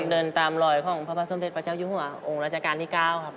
เดินตามรอยของพระบาทสมเด็จพระเจ้าอยู่หัวองค์ราชการที่๙ครับ